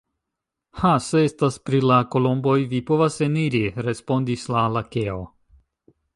Ha! se estas pri la kolomboj vi povas eniri, respondis la lakeo.